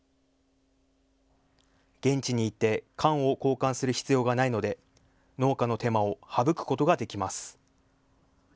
現地に行って管を交換する必要がないので農家の手間を省くことができます。